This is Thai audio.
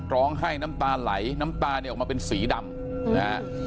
น้ำให้น้ำตาไหลน้ำตาเนี่ยออกมาเป็นสีดำนะฮะ